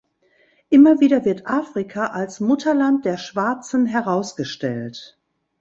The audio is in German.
Immer wieder wird Afrika als „Mutterland“ der Schwarzen herausgestellt.